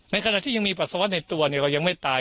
ขณะที่ยังมีปัสสาวะในตัวเรายังไม่ตาย